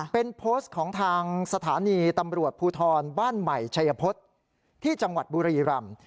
เป็นโพสต์ของทางสถานีตำรวจภูทรบ้านใหม่ชัยพฤษที่จังหวัดบุรีรำ